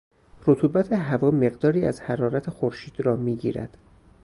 رطوبت هوا مقداری از حرارت خورشید را میگیرد.